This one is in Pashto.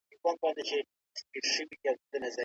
که روژه ونه ساتل شي، بدلون نه راځي.